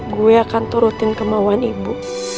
gue akan turutin kemauan ibu